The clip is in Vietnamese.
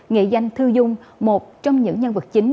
nghệ danh thư dung một trong những nhân vật chính